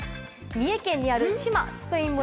三重県にある志摩スペイン村。